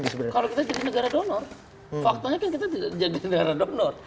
kalau kita jadi negara donor faktanya kan kita jadi negara donor